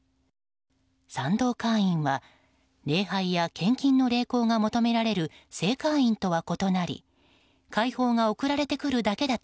賛同会員は礼拝や献金の励行が求められる正会員とは異なり会報が送られてくるだけだ